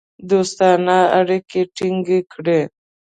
دوستانه اړیکې ټینګ کړې.